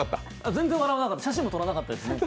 全然笑わなかった写真も撮らなかった。